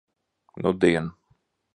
Nudien.